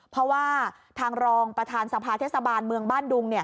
เพราะว่าทางรองประธานสภาเทศบาลเมืองบ้านดุง